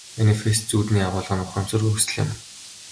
Манифест зүүдний агуулга нь ухамсаргүйн хүсэл юм.